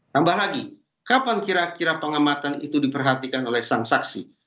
tambah lagi kapan kira kira pengamatan itu diperhatikan oleh sang saksi